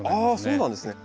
あそうなんですね。